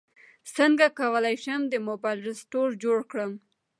څنګه کولی شم د موبایل رسټور جوړ کړم